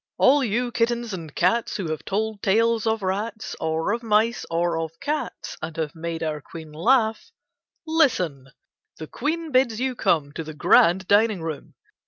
All you kittens and cats who have told tales of rats, or of mice, or of cats, and have made our Queen laugh, listen! The Queen bids you come to the grand dining room.